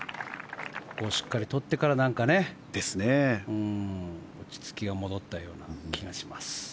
しっかり取ってから落ち着きが戻ったような気がします。